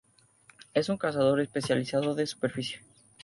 Es un cazador especializado de superficie.